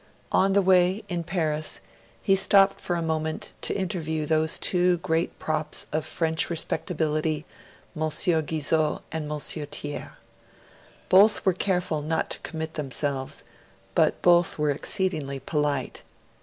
On the way, in Paris, he stopped for a moment to interview those two great props of French respectability, M. Guizot and M. Thiers. Both were careful not to commit themselves, but both were exceedingly polite.